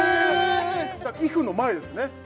「ｉｆ．．．」の前ですね